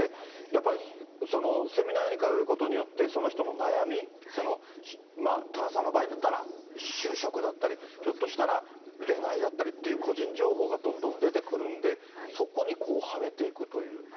やっぱりセミナーに通うことによって、その人の悩み、多田さんの場合だったら就職だったり、ひょっとしたら恋愛だったりという、個人情報がどんどん出てくるんで、そこにこう、はめていくという。